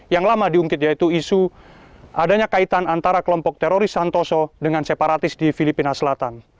yang lama diungkit yaitu isu adanya kaitan antara kelompok teroris santoso dengan separatis di filipina selatan